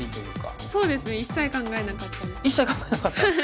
そうですね一切考えなかったです。